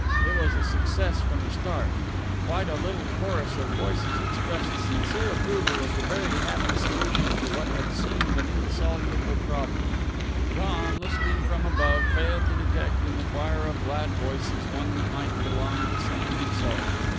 It was a success from the start. Quite a little chorus of voices expressed sincere approval of the very happy solution to what had seemed an insoluble problem. John, listening from above, failed to detect in the choir of glad voices one that might belong to Sam himself.